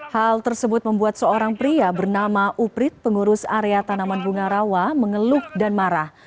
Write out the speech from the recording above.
hal tersebut membuat seorang pria bernama uprit pengurus area tanaman bunga rawa mengeluh dan marah